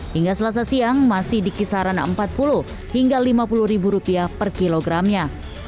hingga selasa siang masih di kisaran rp empat puluh hingga rp lima puluh ribu rupiah per kilogramnya